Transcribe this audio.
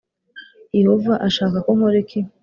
Yehova ashaka ko nkora iki